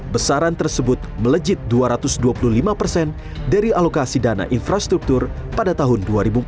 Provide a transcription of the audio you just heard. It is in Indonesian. besaran tersebut melejit dua ratus dua puluh lima persen dari alokasi dana infrastruktur pada tahun dua ribu empat belas